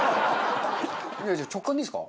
じゃあ直感でいいですか？